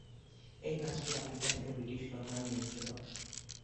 এই গাছটি আফ্রিকা থেকে ব্রিটিশ সরকার নিয়েছিল।